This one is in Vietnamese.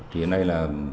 thì hôm nay là